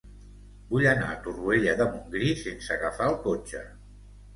Vull anar a Torroella de Montgrí sense agafar el cotxe.